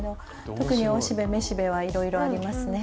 特に雄しべ雌しべはいろいろありますね。